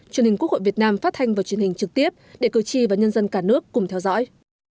truyền hình quốc hội việt nam phát thanh vào truyền hình trực tiếp để cử tri và nhân dân cả nước cùng theo dõi